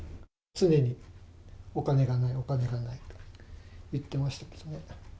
常にお金がない、お金がないと言ってましたですね。